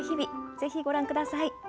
ぜひ、ご覧ください。